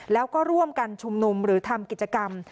แล้วก็ร่วมกันชุมนุมหรือทำกิจกรรม